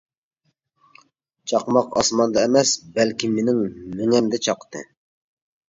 چاقماق ئاسماندا ئەمەس بەلكى، مېنىڭ مېڭەمدە چاقتى.